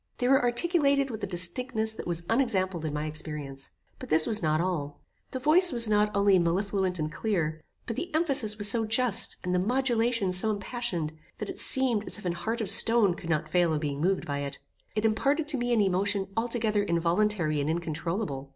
They were articulated with a distinctness that was unexampled in my experience. But this was not all. The voice was not only mellifluent and clear, but the emphasis was so just, and the modulation so impassioned, that it seemed as if an heart of stone could not fail of being moved by it. It imparted to me an emotion altogether involuntary and incontroulable.